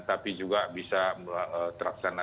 tapi juga bisa terlaksana